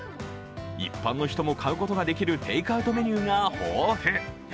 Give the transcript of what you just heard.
一般の人も買うことができるテイクアウトメニューが豊富。